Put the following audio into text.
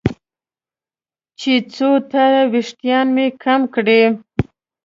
چې څو تاره وېښتان مې کم کړي.